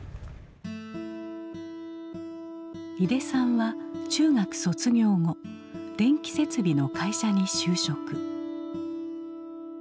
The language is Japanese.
井手さんは中学卒業後電気設備の会社に就職。